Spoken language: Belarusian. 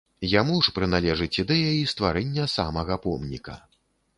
Яму ж прыналежыць ідэя і стварэння самага помніка.